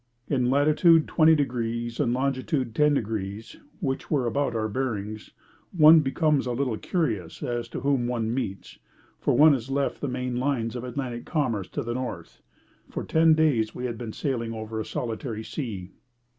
In latitude 20 degrees and longitude 10 degrees, which were about our bearings, one becomes a little curious as to whom one meets, for one has left the main lines of Atlantic commerce to the north. For ten days we had been sailing over a solitary sea.